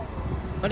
あれ？